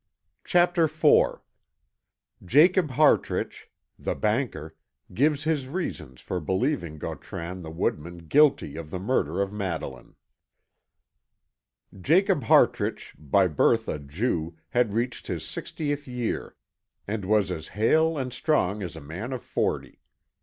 CHAPTER IV JACOB HARTRICH, THE BANKER, GIVES HIS REASONS FOR BELIEVING GAUTRAN THE WOODMAN GUILTY OF THE MURDER OF MADELINE Jacob Hartrich, by birth a Jew, had reached his sixtieth year, and was as hale and strong as a man of forty.